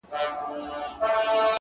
• له ګوښې یې ښایسته مرغۍ څارله ,